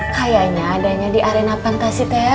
kayanya adanya di arena pantasi teh